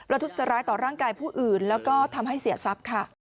ทุษร้ายต่อร่างกายผู้อื่นแล้วก็ทำให้เสียทรัพย์ค่ะ